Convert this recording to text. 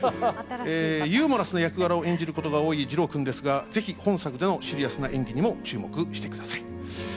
ユーモラスな役柄を演じることが多い二朗くんですが、ぜひ本作でのシリアスな演技にも注目してください。